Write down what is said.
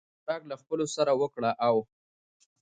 خوراک له خپلو سره وکړه او